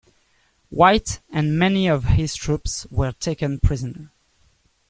White and many of his troops were taken prisoner.